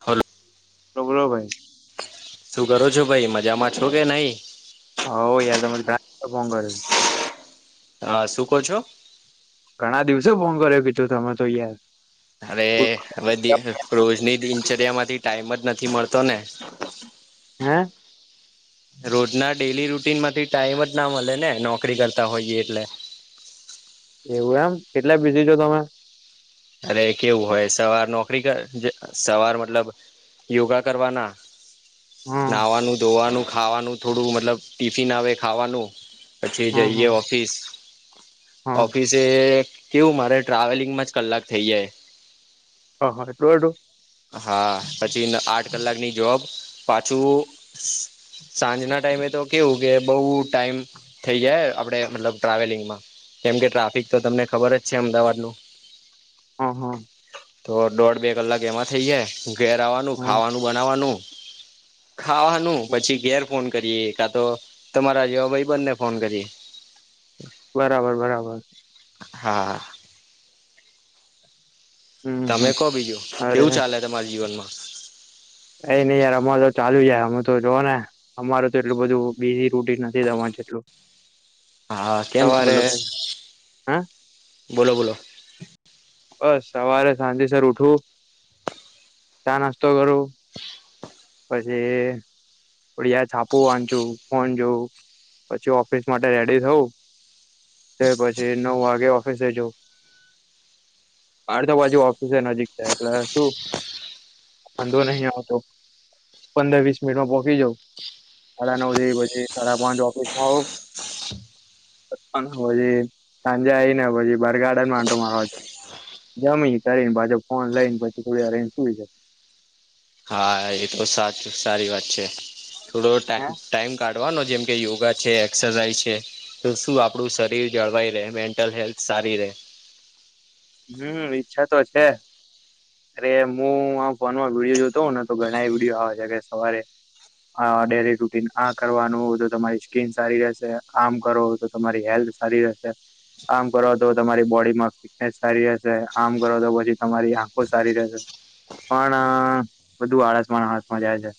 હાલો બોલો બોલો ભાઈ શું કરો છો ભાઈ મજામાં છો કે નહી? હયો તો ટારાસ પાગલ. હા શું કહો છો? ઘણા દિવસે ફોંગ કર્યો કીધું તમે તો યાર અરે હવે દ રોજની દિનચર્યામાંથી ટાઈમ જ નથી મળતો ને હમ્મ. રોજના ડેલી રૂટીનમાંથી ટાઈમ જ ના મળે ને નોકરી કરતા હોઈએ એટલે. [inaudible] એવું એમ કેટલા બીઝી છો તમે. અરે કેવું હોય સવાર નોકરી કર સવાર મતલબ યોગા કરવાના હમ નાહવાનું ધોવાનું ખાવાનું થોડું મતલબ ટિફિન આવે ખાવાનું પછી હમ જઈએ હમ ઓફિસ હમ ઓફિસે એ કેવું મારે ટ્રાવેલિંગમાં જ કલાક થઇ જાય. હ હા [unintelligible] હા પછી આઠ કલાકની જોબ પાછું સાંજના ટાઈમે તો કેવું કે બઉ ટાઈમ થઈ જાય. આપડે મતલબ ટ્રાવેલિંગમાં કેમ કે ટ્રાફિક તો તમને ખબર જ છે અમદાવાદનું. હા, હા. તો દોઢ-બે કલાક એમાં થઈ જાય. ઘેર આવાનું હમ ખાવાનું બનાવાનું. ખાવાનું પછી ઘેર ફોન કરીએ, કા તો તમારા જેવા ભાઈબંધને ફોન કરીએ. [inaudible] બરાબર, બરાબર. હા. હમ હમ તમે કો બીજું, કેવું ચાલે તમારા જીવનમાં? કઈ ની યાર, અમાર તો ચાલુ છે. અમે તો જોઓ ને અમારું તો એટલું બધું બી [unintelligible] નથી તમાર જેટલું. હા, કેમ? સવારે મતલબ. હે બોલો, બોલો. બસ સવારે સાંજેસર ઉઠું, ચા-નાસ્તો કરું પછી થોડી વાર છાપુ વાંચુ, ફોન જોઉ પછી ઓફિસ માટે રેડી થવું. ત્યાર પછી નવ વાગે ઓફિસે જવ. તાર તો પાછું ઓફિસે નજીક છે. એટલે શું વાંધો નહીં આવતો. પંદર વીસ મિનિટમાં પો થી જઉ. સાડા નવ થી પછી સાડા પોચ ઓફિસમાં હોઉ અન હોજે, સાંજે આઈને પછી બાર ગાર્ડનમાં આંટો મારવા જઉ. જમી કરીન, પાછો ફોન લઈન પછી થોડી વાર રઈન સૂઈ જઉ. હા, એ તો સાચું સારી વાત છે. થોડો હે ટાઇમ-ટાઈમ કાઢ કાઢવાનો જેમ કે યોગા છે, એક્સરસાઇઝ છે. તો શું આપડું શરીર જળવાઈ રેહ, મેન્ટલ હેલ્થ સારી રે. હમ, ઈચ્છા તો છે. અરે, મુ આ ફોનમાં વિડીયો જોતો હોઉ ને તો ઘણાય વિડીયો આવે છે કે, સવારે આ ડેલી રૂટીન આ કરવાનું હો તો તમારી સ્કીન સારી રહેશે, આમ કરો તો તમારી હેલ્થ સારી રહેશે, આમ કરો તો તમારી બોડીમાં ફ્રી ભેસ સારી રેશે. આમ કરો તો પછી તમારી આંખો સારી રહેશે. પણ આ બધું આળસમાં ન આળસમાં જાય છે.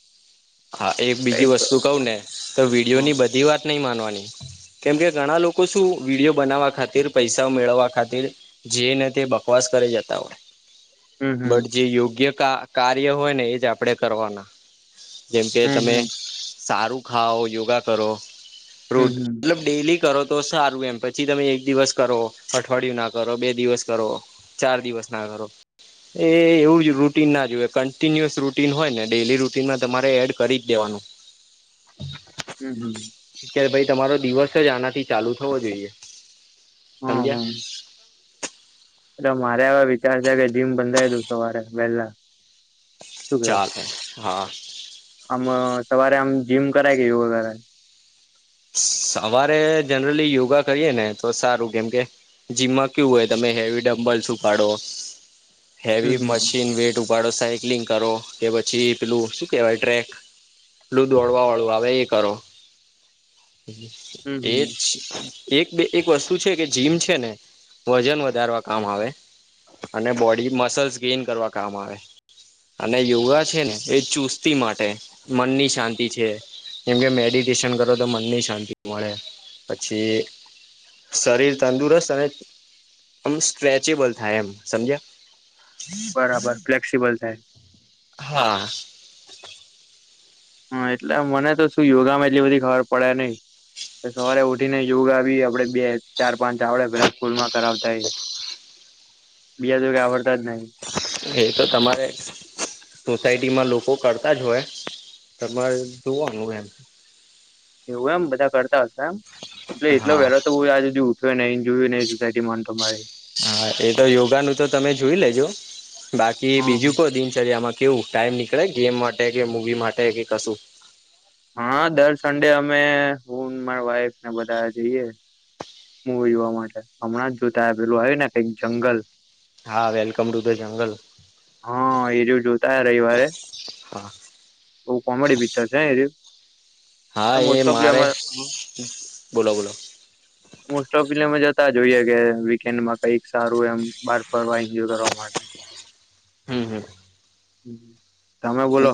હા, એક કઈ બીજી જ કરો. વસ્તુ કઉ ને તો હમ વિડીયોની બધી વાત નઈ માનવાની. કેમ કે, ઘણા લોકો શું વિડીયો બનાવા ખાતીર, પૈસા મેળવવા ખાતીર જે ને તે બકવાસ કરી જતા હોય. હમ બટ જે યોગ્ય કા-કાર્ય હોય ને એ જ આપડે કરવાના. જેમ કે હમ તમે હમ સારું ખાઓ, યોગા કરો હમ રોજ હમ મતલબ ડેલી કરો તો સારું એમ પછી તમે એક દિવસ કરો, અઠવાડિયું ના કરો, બે દિવસ કરો, ચાર દિવસ ના કરો. એ એવું જ રૂટીન ના જોવે કનટીન્યુઅસ રુટીન હોય ને, ડેલી રુટીનમાં તમાર ડે એડ કરી જ દેવાનું. હમ, હમ. કે ભઈ તમારો દિવસ જ આનાથી ચાલુ થવો જોઈએ, હમ સમજ્યા. હમ એટલે મારે અવે વિચાર છે કે, જીમ બંધાઈ દઉ સવારે વહેલા. શું કેવું ચાલે, હા. આમ સવારે આમ જીમ કરાય કે યોગા કરાય? સવારે જનરલી યોગા કરીએ ને તો સારું, કેમ કે જીમમાં કેવુ હોય તમે હેવી ડમ્બલસ ઉપાડો, હમ હેવી હમ મશીન વેટ ઉપા પાડો, સાયકલિંગ કરો કે પછી પેલું શું કેવાય ટ્રેક પેલું દોડવાવાળું આવે એ કરો. હમ એ હમ જ. એક બે એક વસ્તુ છે કે જીમ છે ને વજન વધારવા કામ આવે અને બોડી મસલ્સ ગેઈન કરવા કામ આવે અને યોગા છે ને એ ચુસ્તી માટે મનની શાંતિ છે કેમ કે મેડિટેશન કરો તો મનની શાંતિ મળે પછી શરીર તંદુરસ્ત અને આમ સ્ટ્રેચેબલ થાય એમ સમજ્યા બરાબર ફ્લેક્સિબલ થાય હા હ એટલે મને તો શું યોગામાં એટલી બધી ખબર પડે નહ સવારે ઉઠી ને યોગા આવી આપડે બે ચાર ચાવડે પેલા સ્કૂલ માં કરાવતા હ બીજાજ કઈ આવડતા જ નહી એ તો તમારે સોસાયટીમાં લોકો કરતા જ હોય તમારે જોવાનું એમ એવું એમ બધા કરતા હશે એમ એટલે એટલો હા વહેલો તો હ આજુ જો ન જોયું નઈ સોસાયટી મામાં તો મારે હા એ તો યોગા નું તો તમે જોઈ લેજો બાકી હા બીજું કો દિનચર્યામાં કેવું ટાઈમ નીકળે ગેમ માટે કે મૂવી માટે કે કશું હા દર સન્ડે અમે હું મારા વાઈફને બધાવા જઈએ હ જોવા માટે હમણાં જ જોતાય પેલું આવે ને કઈક જંગલ હા વેલકમ રૂધ છે હા હઈરું જોતા હ રવિવારે હા બ કોમેડી પિક્ચર છે એ હા એ મોસ્ટ ઓફલી મારે અમે બોલો બોલો મોસ્ટ ઓફ ફિલ્મ જ તા જોઈએ કે વીકેન્ડમાં કઈક સારું એમ બહાર ફરવા એન્જોય કરવા માટે હમ હમ હ તમે બોલો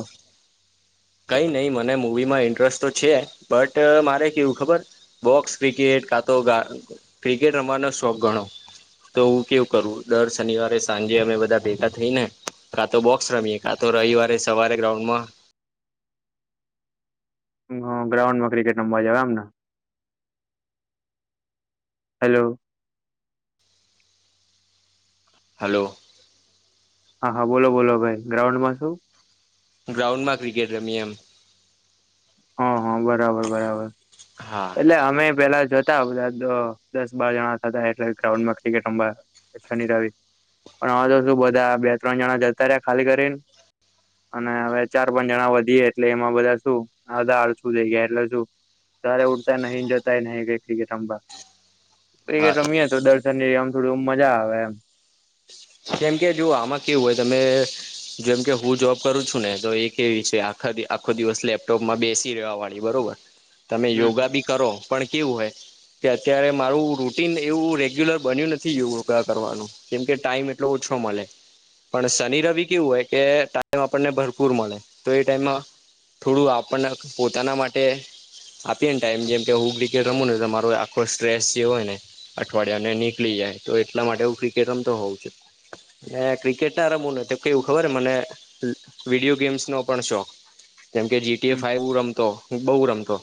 કઈ નહીિ મને મુવી માં ઇન્ટરેસ્ટ તો છે બટ મારે કેવું ખબર બોક્સ ક્રિકેટ કાંટા ક્રિકેટ રમવાનો શોખ ગણો તો હું કેવું કરું દર શનિવારે સાંજે અમે બધા ભેગા થઈ ને કા તો બોક્સ રમીએે કા તો રવિવારે સવારે ગ્રાઉન્ડમાં ગ્રાઉન્ડમાં ક્રિકેટમાં મજા આવે એમને હલો હલો હા હા બોલો બોલો ભાઈ ગ્રાઉન્ડમાં શું ગ્રાઉન્ડમાં ક્રિકેટ રમી એમ હ હા બરાબર બરાબર હા એટલે અમે પેલા જ બધા દસ બાર જણા થતા એટલે ગ્રાઉન્માં ક્રિકેટ ર પણ હવે તો શું બધા બે ત્રણ જણા જતા રહ્યા ખાલી કરીને અને હવે ચાર પાંચ જણા વધીએ એટલે એમાં બધા શું અધા આડ શું થઈ ગયા એટલે શું તારે ઉડતાય નહી જતા નહ કઈ ક્રિકેટંભા એ હા રમી તો દર્શન ની આમ થોડી મજા આવે એમ કેમ કે જો આમાં કેવું હોય તમે જેમ કે હું જોબ કરું છું ને તો એ કે વિષ આખો દિવસ લેપટોપમાં બેસી રહેેવા વાળ બરોબર તમે હમ યોગા બી કરો પણ કેવું હોય કે અત્યારે મારું રૂટીન એવું રેગ્યુલર બન્યું નથી યોગા કરવાનું કેમ કે ટાઈમ એટલો ઓછો મળે પણ શનિ રવિ કેવું હોય કે ટાઈમ આપણને ભરપૂર મળે તો એ ટાઈમમાં થોડું આપણને પોતાના માટે આપીએ ને ટાઈમ જેમ કે હું્રેટ રમું ને તો તમારો આખો સ્ટ્રેસ જે હોય ને અઠવાડિયા ને નીકળી જ તો એટલા માટે હું ક્રિકેટ રમ તો હોઉું છ હ ક્રિકેટ ના રમુંનું તો કેવું ખબર મને વિડીયો ગેમ્સ નો પણ શોખ. કેમ કે જીટીએ હમ ફાઈવ રમતો બહુ રમતો.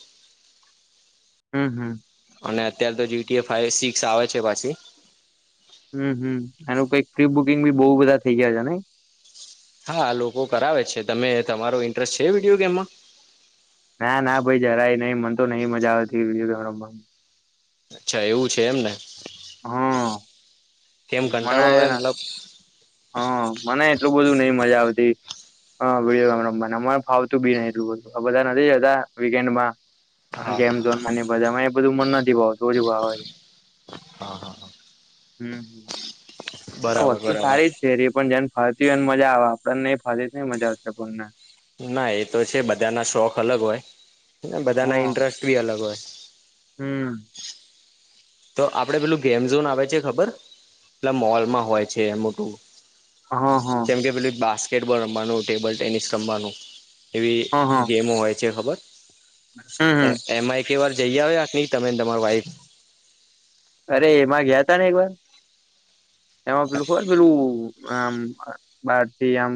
હમ્મ હમ્મ. અને અત્યારે તો જી ફ સિક્સ આવે છે પાછી કુકિંગ બી બહુ બધા થઈ ગયા છે ને. હા લોકો કરાવે છે તમે તમારો ઇન્ટરેસ્ટ છે વિડીયો ગેમમાં? ના ના ભાઈ જરાય નહ મને તો નઈ મજા આવેતી વિડીયો ગેમ રમવાની. અચ્છા એવું છે એમને. હાં. કેમ મને કંટાળો છે આવે મતલબ હ મને એટલું બધું નઈ મજા આવતી. હા વિડીયો ગામ રમવા અ ફાવતું બી એટલું બધ બધા નથી જતા વિક એન્ડ માં હા ગેમ ઝોન બધામાં એ બધું મ નથી ભાવ થોડી વાાવ હો. હા હા હમ હ. બરાબર વસ્તુ બરાબર સારી જ છે એ પણ જેમ ફરતી હોય એને મજા આવે આપણને નઈ ફરતી નઈ મજા આવશેને આપણ ને ના એ તો છે બધાના શોખ અલગ હોય બધાના હા ઇન્ટરેસ્ટ બી અલગ હોય. હમ. તો આપડે પેલું ગેમઝોન આવે છે ખબર પેલા મોલમાં હોય છે એમ મોટું. હા હા જેમ કે પેલું બાસ્કેટબોલ રમવાનું ટેબલ ટેનિસ રમવાનું. એવી હા હા ગેમો હોય છે ખબર? હમ હ. કે વાર જઈ આવ નહી તમેને તમાર વાઈફ? અરે એમાં ગયા તા ને એક વાર એમાં પેલું ખબર પેલું આમ બાર થી આમ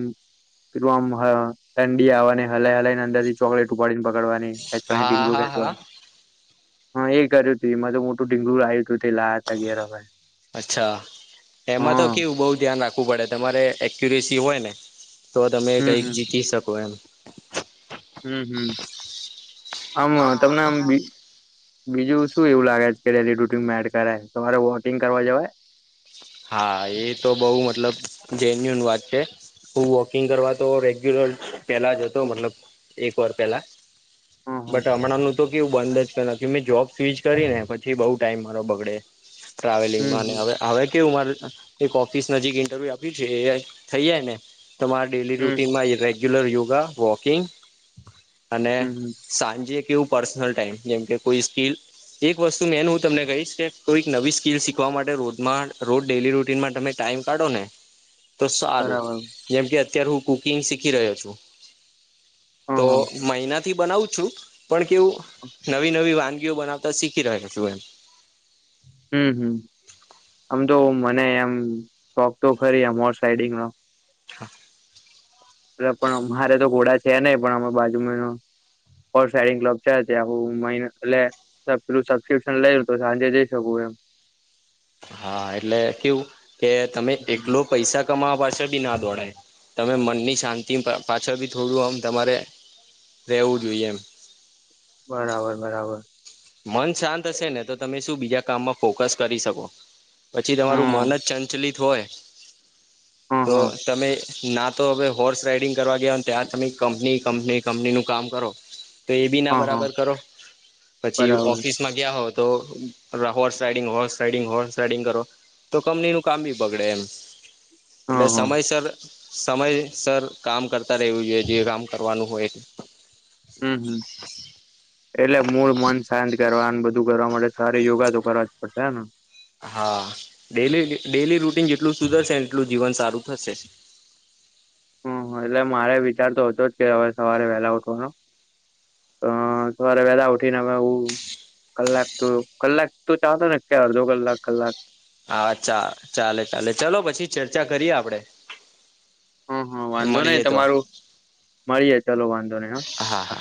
પ આમ ઠંડી આવેવા ને હલાઈ હલાઈ ને અંદર થી ચોકલેટ ઉપાડીને હા હા હા હા [unintelligible] હતા ઘેર અમે અચ્છા એમાં તો હા કેવું બહ ધ્યાન રાખ ખવુ પડે તમારે એક્યુરેસી હોય ને તો તમે હમ કઈક હમ જીતી શકો એમ. હમ હમ આમ તમને આમ બ બીજું શું એવું લાગે છે કે રૂટિનમાં એડ કરાય તમારે વોટિંગ કરવા જવાય. હા એ તો બહુ મતલબ જેન્યુન વાત છે. હું વોકિંગ કરવા તો રેગ્યુલર પેલા જ હતો મતલબ એક વાર પહેલા. હમ બટ હમ હમણાંનું તો કેવું બંધ જ પેલા કે મેં જોબ સ્વિચ કરી ને પછી બઉ ટાઈમ મારો બગડે. ટ્રાવેલિંગમાં ને હવે હમ હવે. કેવું એક ઓફિસ નજીક ઇન્ટરવ્યુ આપી છે થઈ જાય ને તમારા ડેલી હમ હમ રૂટીનમાં રેગ્યુલર યોગા વોકિંગ અને હમ હમ સાંજે કે એવું પર્સનલ ટાઈમ જેમ કે કોઈ સ્કીલ એક વસ્તુ મેન હું તમને કહીશ કે કોઈક નવી સ્કીિલ શીખવા માટે રોદમાં રોજ ડેલી રૂટીનમાં તમે ટાઈમ કાઢો ને તો સારું બરાબર જેમ કે અત્યારે હું કુકિંગ શીખી રહ્યો છું હમ તો હમ મહિનાથી બનાવું છું. પણ કેવું નવી નવી વાનગીઓ બનાવતા શીખી રહ્યા છું એમ. હમ હમ. આમ તો મને એમ શોખ તો ખરી આમ હોર્સ રાઈડિંગ નો. [inaudible] એ પણ અમારે તો ઘોડા છે નહી પણ અમા બાજુમાં હોર્સ રાઇડિંગ ક્લબ છે ત્યા હું મહી એટલે સબસ્ક્રિપસં લઈ તો સાંજે જઈ શકું એમ. હા એટલે કેવું કે તમે હમ્મ એકલો પૈસા કમાવા પાસે બી ના દોડાય તમે મનની શાંતિ પાછળ બી થોડું આમ તમારે રેવું જોઇ એ એમ. બરાબર બરાબર. મન શાંત હશે ને તો તમે શું બીજા કામમાં ફોકસ કરી શકો. પછી તમારું મન હમ્મ જ ચંચલિત હોય હા તો હા તમે ના તો હવે હોર્સ રાઈડિંગ કરવા ગયા હો ને ત્યાં તમે કંપની કંપની કંપની નું કામ કરો તો એ બી ના હા હા બરાબર કરો પછી બરાબર ઓફિસમાં ગયા તો horse riding horse riding horse riding કરો. તો કંપની નું કામ બી બગડે એમ. એટલે હા હા સમયસર સમયસર કામ કરતા રહેવું જોઈએ જે કામ કરવાનું હોય. [inaudible] હમ હમ એટલે મૂળ મન શાંત કરવા બધું કરવા માટે સારી યોગા તો કરવા જ પડશે હેને. હા ડ ડેલી રૂટીન જેટલું સુધરશે એટલું જીવન સારું થશે. [inaudible] હમ્મ એટલે મારે વિચાર તો હતો જ કે હવે સવારે વહેલા ઉઠવાનો અ સવારે વેલા ઉઠીને અમે હું કલાક તો કલાક તો ચાતા ને કે અડધો કલાક કલાક હા ચા ચાલે ચાલે ચાલો પછી ચર્ચા કરીએ આપડે. હમ્મ હમ્મ હા વાંધો નહી મળીએ તો તમારું મળીએે ચલો વાંધો નહી હ હા.